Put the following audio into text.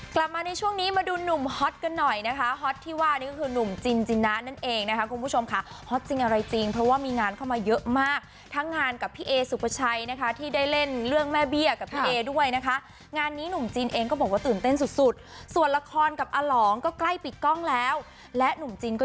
กลับมาในช่วงนี้มาดูหนุ่มฮอตกันหน่อยนะคะฮอตที่ว่านี่ก็คือหนุ่มจินจินะนั่นเองนะคะคุณผู้ชมค่ะฮอตจริงอะไรจริงเพราะว่ามีงานเข้ามาเยอะมากทั้งงานกับพี่เอสุภาชัยนะคะที่ได้เล่นเรื่องแม่เบี้ยกับพี่เอด้วยนะคะงานนี้หนุ่มจีนเองก็บอกว่าตื่นเต้นสุดสุดส่วนละครกับอลองก็ใกล้ปิดกล้องแล้วและหนุ่มจีนก็